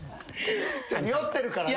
酔ってるからね。